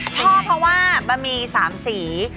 ชอบเพราะว่ามันมีสามสี